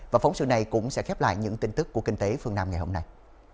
và phóng sự này cũng sẽ khép lại những tin tức của kinh tế phương nam ngày hôm nay